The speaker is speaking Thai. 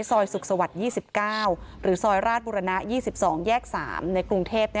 ซอยสุขสวรรค์๒๙หรือซอยราชบุรณะ๒๒แยก๓ในกรุงเทพ